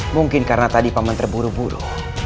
mungkin karena tadi paman terburu buru